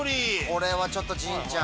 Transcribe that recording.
これはちょっと神ちゃん。